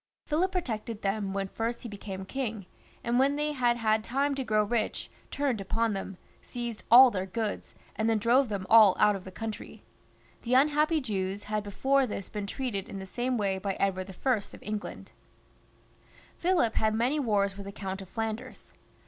Philip protected them when first he became king, and when they had had time to grow rich, turned upon them, seized all their goods, and then drove them all out of the country. The unhappy Jews had before this been treated in the same way by Edward I. of England. Philip had many wars with the Count of Flanders.